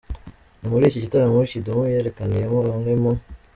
Ni muri iki gitaramo, Kidum yerekaniyemo bamwe mu